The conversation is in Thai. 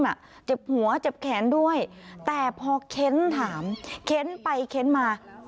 เจ็บหัวเจ็บแขนด้วยแต่พอเค้นถามเค้นไปเค้นมา